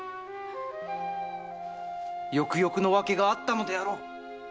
よくよくの訳があったのであろう。